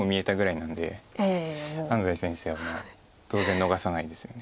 なんで安斎先生はもう当然逃さないですよね。